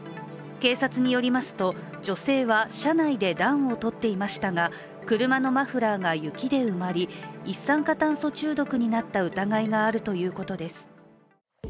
警察によりますと女性は、車内で暖をとっていましたが車のマフラーが雪で埋まり一酸化炭素中毒になった疑いがあるということです。